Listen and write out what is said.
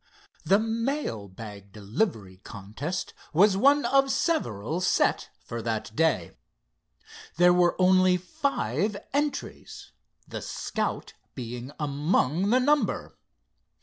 The mail bag delivery contest was one of several set for that day. There were only five entries, the Scout being among the number.